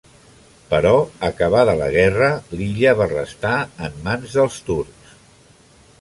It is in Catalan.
Però acabada la guerra, l'illa va restar en mans dels turcs.